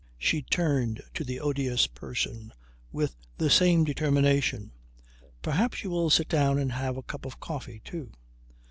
She turned to the "odious person" with the same determination. "Perhaps you will sit down and have a cup of coffee, too."